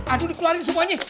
aduh dikeluarin semuanya